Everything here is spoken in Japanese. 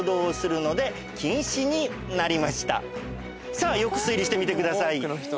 さあよく推理してみてください。